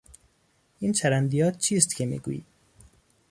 این چرندیات چیست که میگویی؟